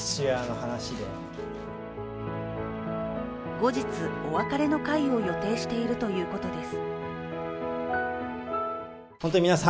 後日、お別れの会を予定しているということです。